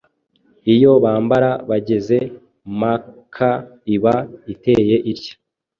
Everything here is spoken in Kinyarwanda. Iyo bambara bageze Makka iba iteye itya